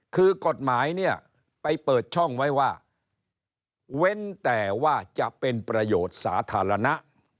คือกฎหมายเนี่ยไปเปิดช่องไว้ว่าเว้นแต่ว่าจะเป็นประโยชน์สาธารณะ